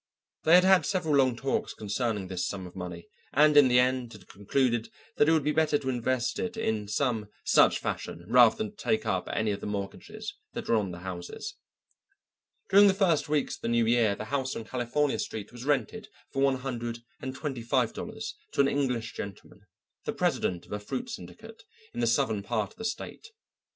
They had had several long talks concerning this sum of money, and in the end had concluded that it would be better to invest it in some such fashion rather than to take up any of the mortgages that were on the houses. During the first weeks of the new year the house on California Street was rented for one hundred and twenty five dollars to an English gentleman, the president of a fruit syndicate in the southern part of the state.